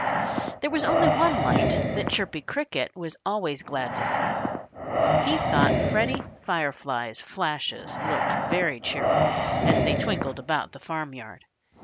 There was only one light that Chirpy Cricket was always glad to see. He thought Freddie Firefly's flashes looked very cheerful as they twinkled about the farmyard.